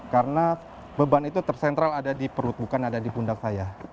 karena beban itu tersentral ada di perut bukan ada di bunda saya